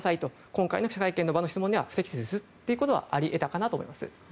今回の記者会見の場の質問には不適切ですということはあり得たかなと思います。